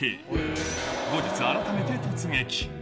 後日、改めて突撃。